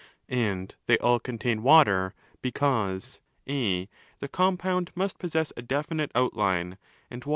And they all contain Water 35 because (a) the compound must possess a definite outline 1 sc.